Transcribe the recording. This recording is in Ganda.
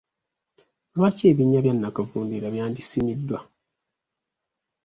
Lwaki ebinnya bya nakavundira byandisimiddwa?